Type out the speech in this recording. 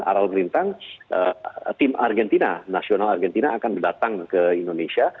aral merintang tim argentina nasional argentina akan datang ke indonesia